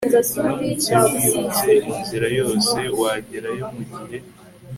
Uramutse wirutse inzira yose wagerayo mugihe